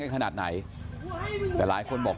แม่ขี้หมาเนี่ยเธอดีเนี่ย